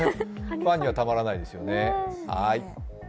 ファンにはたまらないですね。